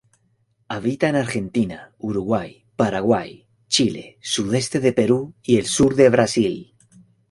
Habita en Argentina, Uruguay, Paraguay, Chile, sudeste de Perú y el sur de Brasil.